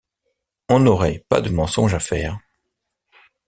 On n’aurait pas de mensonge à faire.